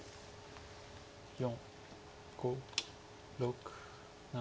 ４５６７。